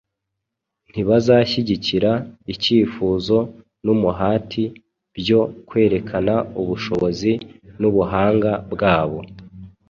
Ntibazashyigikira icyifuzo n’umuhati byo kwerekana ubushobozi n’ubuhanga bwabo.